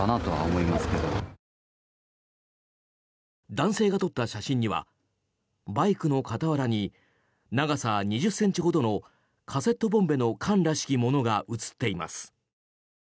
男性が撮った写真にはバイクの傍らに長さ２０ｃｍほどのカセットボンベの缶らしきものが写っています。